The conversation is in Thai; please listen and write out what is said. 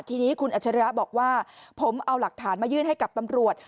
ทีนี้คุณอัจฉริยะบอกว่าผมเอาหลักฐานมายื่นให้กับตำรวจ